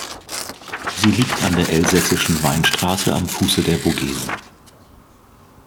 Sie liegt an der Elsässischen Weinstraße am Fuße der Vogesen.